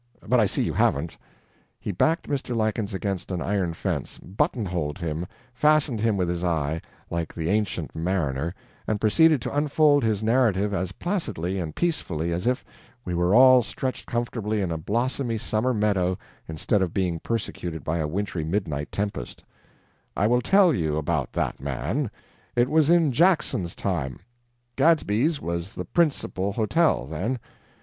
... But I see you haven't." He backed Mr. Lykins against an iron fence, buttonholed him, fastened him with his eye, like the Ancient Mariner, and proceeded to unfold his narrative as placidly and peacefully as if we were all stretched comfortably in a blossomy summer meadow instead of being persecuted by a wintry midnight tempest: "I will tell you about that man. It was in Jackson's time. Gadsby's was the principal hotel, then.